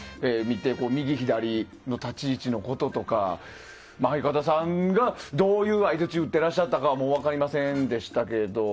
右、左の立ち位置のこととか相方さんがどういう相槌を打っていらっしゃったかは分かりませんでしたけど。